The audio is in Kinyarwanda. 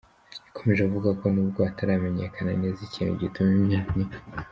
Yakomeje avuga ko nubwo hataramenyekana neza ikintu gituma imyanya.